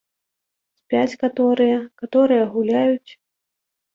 Спяць каторыя, каторыя гуляюць.